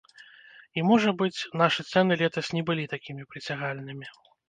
І можа быць, нашы цэны летась не былі такімі прыцягальнымі.